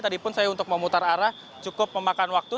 tadi pun saya untuk memutar arah cukup memakan waktu